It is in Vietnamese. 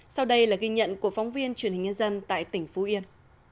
sau đây là ghi nhận của phóng viên truyền hình nhân dân tại tỉnh phú yên